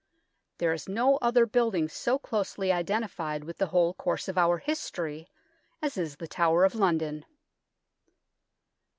There is no other building so closely identified with the whole course of our history as is the Tower of London.